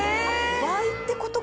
倍ってことか。